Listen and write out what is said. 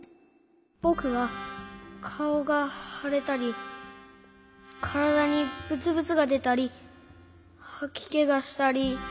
ぼくはかおがはれたりからだにブツブツがでたりはきけがしたり。